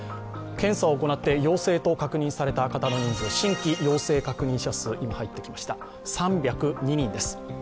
検査を行って陽性と確認された方の人数新規陽性確認者数、今入ってきました、３０２人です。